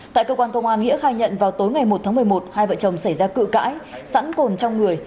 tại cơ quan công an nghĩa khai nhận vào tối ngày một tháng một mươi một hai vợ chồng xảy ra cự cãi sẵn cồn trong người